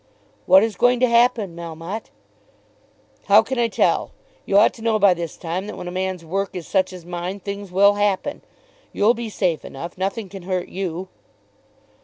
"What is going to happen, Melmotte?" "How can I tell? You ought to know by this time that when a man's work is such as mine, things will happen. You'll be safe enough. Nothing can hurt you."